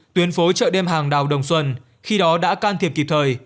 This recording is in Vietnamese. tuyến phố chợ đêm hàng đào đồng xuân khi đó đã can thiệp kịp thời